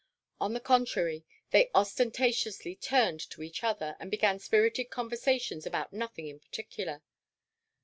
On the contrary, they ostentatiously turned to each other and began spirited conversations about nothing in particular.